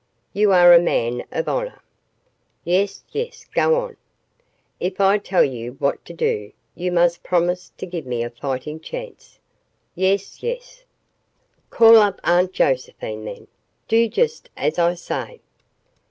"You are a man of honor." "Yes yes. Go on." "If I tell you what to do, you must promise to give me a fighting chance." "Yes, yes." "Call up Aunt Josephine, then. Do just as I say."